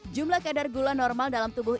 jumlah kadar gula normal dalam tubuh